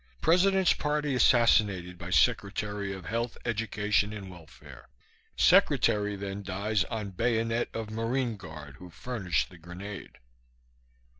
President's party assassinated by Secretary of Health, Education and Welfare; Secretary then dies on bayonet of Marine guard who furnished the grenade.